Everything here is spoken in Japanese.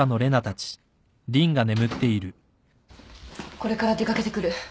これから出掛けてくる。